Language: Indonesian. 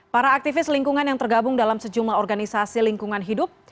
para aktivis lingkungan yang tergabung dalam sejumlah organisasi lingkungan hidup